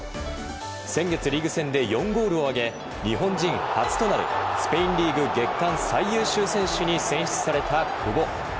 先月リーグ戦で４ゴールを挙げ日本人初となるスペインリーグ月間最優秀選手に選出された久保。